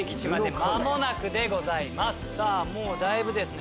さぁもうだいぶですね